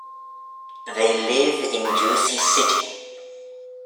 They live in Jersey City.